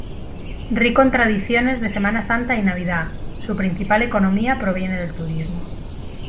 Rico en tradiciones de Semana Santa y Navidad, su principal economía proviene del turismo.